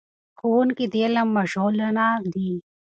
ښوونکي د علم مشعلونه دي.